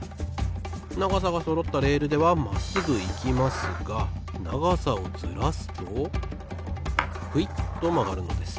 ながさがそろったレールではまっすぐいきますがながさをずらすとクイッとまがるのです。